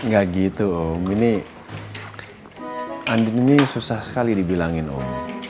gak gitu om ini andin ini susah sekali dibilangin om